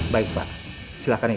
baik pak silakan afif